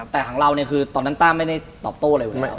แต่ของเราเนี่ยคือตอนนั้นต้าไม่ได้ตอบโต้อะไรวันนี้